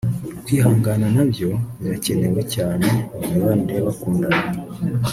Kwihangana na byo birakenewe cyane mu mibanire y’abakundana